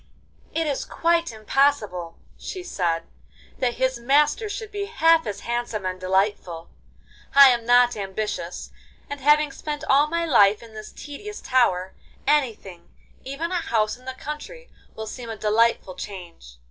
'It is quite impossible,' she said, 'that his master should be half as handsome and delightful. I am not ambitious, and having spent all my life in this tedious tower, anything—even a house in the country—will seem a delightful change.